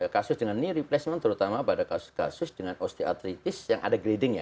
kasus dengan ini replacement terutama pada kasus kasus dengan osteoartritis yang ada grading ya